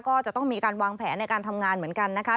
ก็จะต้องมีการวางแผนในการทำงานเหมือนกันนะคะ